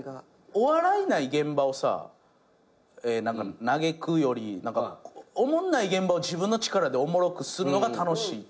お笑いない現場をさ嘆くよりおもんない現場を自分の力でおもろくするのが楽しいというか。